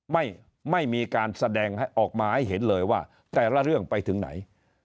ไม่ไม่มีการแสดงออกมาให้เห็นเลยว่าแต่ละเรื่องไปถึงไหน